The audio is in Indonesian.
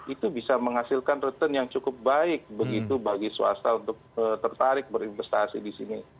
itu bisa menghasilkan return yang cukup baik begitu bagi swasta untuk tertarik berinvestasi di sini